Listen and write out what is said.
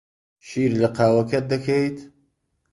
شیر لە قاوەکەت دەکەیت؟